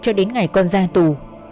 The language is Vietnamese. cho đến ngày con ra tù